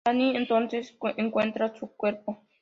Danny entonces encuentra su cuerpo.